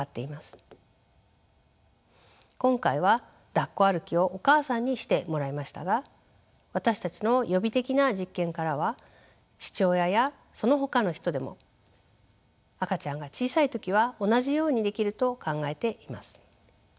今回はだっこ歩きをお母さんにしてもらいましたが私たちの予備的な実験からは父親やそのほかの人でも赤ちゃんが小さい時は同じようにできると考えています。